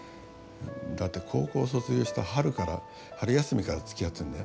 だって高校卒業した春から春休みからつきあってるんだよ。